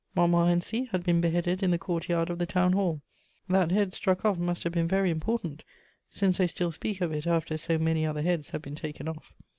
Montmorency had been beheaded in the courtyard of the town hall: that head struck off must have been very important, since they still speak of it after so many other heads have been taken off?